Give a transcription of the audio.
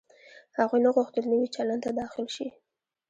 هغوی نه غوښتل نوي چلند ته داخل شي.